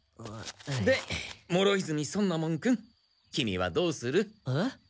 で諸泉尊奈門君キミはどうする？えっ？